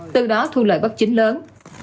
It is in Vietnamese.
từ đó thu lợi bắt chính lớn